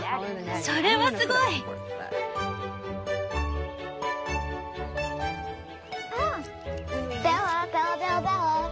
それはすごい！ん？